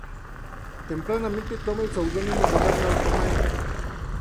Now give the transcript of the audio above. Tempranamente, toma el seudónimo de Bernard Romain.